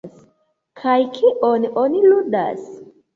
Kaj kion oni ludas?